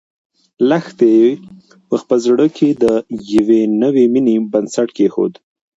لښتې په خپل زړه کې د یوې نوې مېنې بنسټ کېښود.